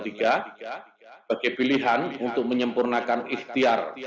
sebagai pilihan untuk menyempurnakan ikhtiar